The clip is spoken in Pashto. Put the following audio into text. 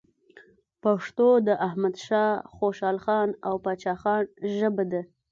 پښتو د احمد شاه خوشحالخان او پاچا خان ژبه ده.